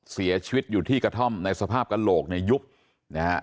เสียชีวิตอยู่ที่กระท่อมในสภาพกระโหลกเนี่ยยุบนะฮะ